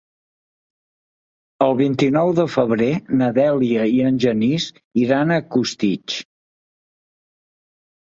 El vint-i-nou de febrer na Dèlia i en Genís iran a Costitx.